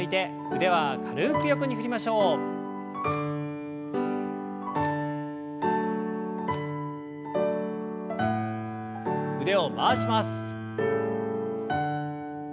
腕を回します。